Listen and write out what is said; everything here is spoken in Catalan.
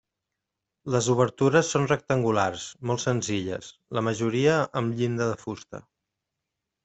Les obertures són rectangulars, molt senzilles, la majoria amb llinda de fusta.